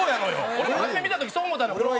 俺も初め見た時そう思うたのよ。